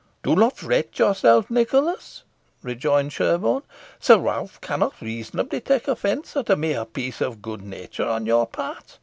'" "Do not fret yourself, Nicholas," rejoined Sherborne; "Sir Ralph cannot reasonably take offence at a mere piece of good nature on your part.